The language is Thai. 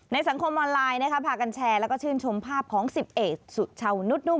สังคมออนไลน์พากันแชร์แล้วก็ชื่นชมภาพของ๑๐เอกสุชาวนุษย์ุ่ม